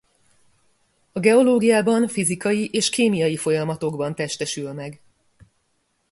A geológiában fizikai és kémiai folyamatokban testesül meg.